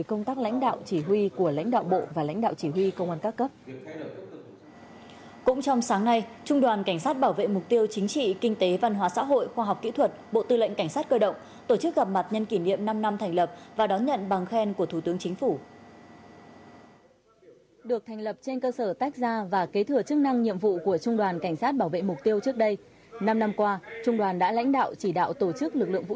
cũng trong sáng nay trung đoàn cảnh sát bảo vệ mục tiêu chính trị kinh tế văn hóa xã hội khoa học kỹ thuật bộ tư lệnh cảnh sát cơ động tổ chức gặp mặt nhân kỷ niệm năm năm thành lập và đón nhận bằng khen của thủ tướng chính phủ